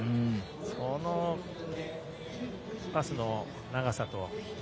そのパスの長さと。